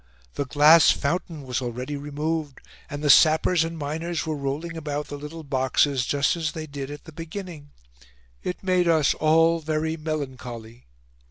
The glass fountain was already removed... and the sappers and miners were rolling about the little boxes just as they did at the beginning. It made us all very melancholy."